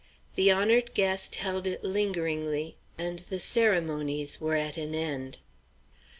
The honored guest held it lingeringly, and the ceremonies were at an end.